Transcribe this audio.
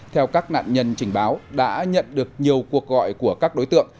theo các nạn nhân trình báo đã nhận được nhiều cuộc gọi của các đối tượng